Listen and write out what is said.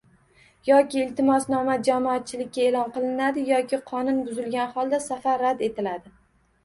Yoki iltimosnoma jamoatchilikka e'lon qilinadi yoki qonun buzilgan holda safar rad etiladi